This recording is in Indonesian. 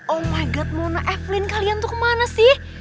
oh my god mona evelyn kalian tuh kemana sih